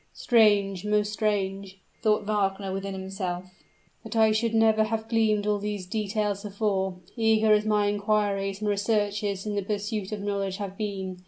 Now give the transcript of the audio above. "Strange most strange," thought Wagner within himself, "that I should never have gleaned all these details before, eager as my inquiries and researches in the pursuit of knowledge have been.